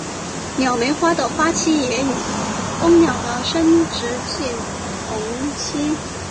鸟媒花的花期也与蜂鸟的生殖季同期。